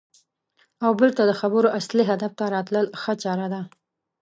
او بېرته د خبرو اصلي هدف ته راتلل ښه چاره ده.